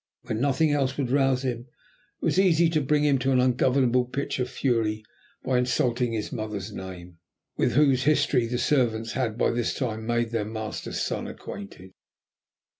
When nothing else would rouse him, it was easy to bring him to an ungovernable pitch of fury by insulting his mother's name, with whose history the servants had, by this time, made their master's son acquainted.